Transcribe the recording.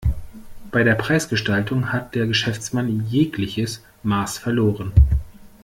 Bei der Preisgestaltung hat der Geschäftsmann jegliches Maß verloren.